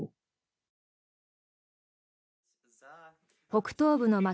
北東部の街